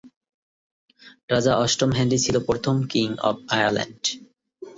রাজা অষ্টম হেনরী ছিল প্রথম কিং অব আয়ারল্যান্ড।